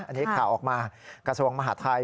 อันนี้ข่าวออกมากระทรวงมหาทัย